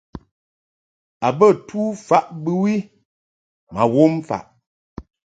A bə tu faʼ bɨwi ma wom faʼ.